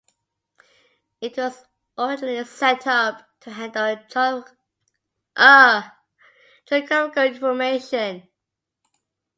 It was originally set up to handle geographical information.